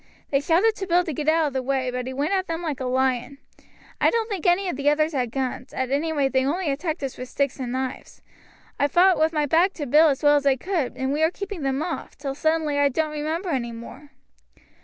They shouted to Bill to get out of the way, but he went at them like a lion. I don't think any of the others had guns; at any rate they only attacked us with sticks and knives. I fought with my back to Bill as well as I could, and we were keeping them off, till suddenly I don't remember any more."